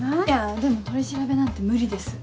でも取り調べなんて無理です。